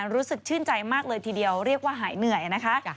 รู้สึกชื่นใจมากเลยทีเดียวเรียกว่าหายเหนื่อยนะคะ